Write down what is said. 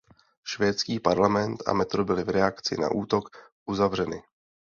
Švédský parlament a metro byly v reakci na útok uzavřeny.